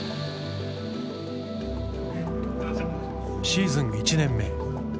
シーズン１年目。